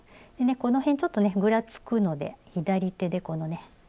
この辺ちょっとねぐらつくので左手でこのね